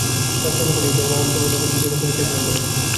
প্রার্থনা করি, এই ধর্মভাব তোমাদিগকে যেন পরিত্যাগ না করে।